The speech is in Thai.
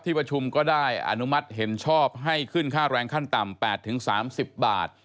ประชุมก็ได้อนุมัติเห็นชอบให้ขึ้นค่าแรงขั้นต่ำ๘๓๐บาท